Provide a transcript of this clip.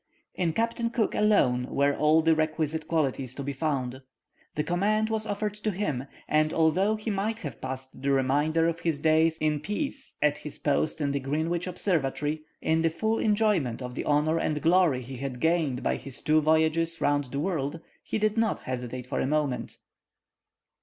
In Captain Cook alone were all the requisite qualities to be found. The command was offered to him, and although he might have passed the remainder of his days in peace at his post in the Greenwich Observatory, in the full enjoyment of the honour and glory he had gained by his two voyages round the world, he did not hesitate for a moment.